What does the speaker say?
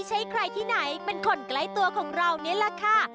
ใช่ใครที่ไหนเป็นคนใกล้ตัวของเรานี่แหละค่ะ